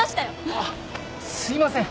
あっすいません